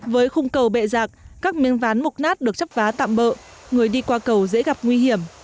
với khung cầu bệ giạc các miếng ván mục nát được chấp vá tạm bỡ người đi qua cầu dễ gặp nguy hiểm